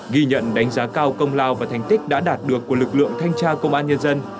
ghi nhận đánh giá cao công lao và thành tích đã đạt được của lực lượng thanh tra công an nhân dân